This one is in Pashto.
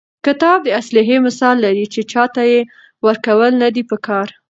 کتاب د اسلحې مثال لري، چي چا ته ئې ورکول نه دي په کار.